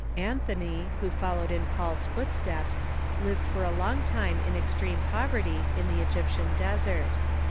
Anthony, who followed in Paul's footsteps, lived for a long time in extreme poverty in the Egyptian desert.